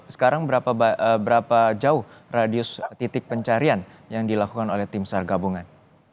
sekarang berapa jauh radius titik pencarian yang dilakukan oleh tim sar gabungan